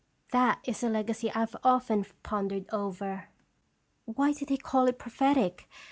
That is a legacy I have often pondered over. Why did he call it prophetic?